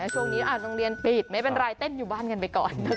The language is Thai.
โรงนี้งานหลังเรียนผิดมั้ยเดินเต้นอยู่บ้านให้ก่อน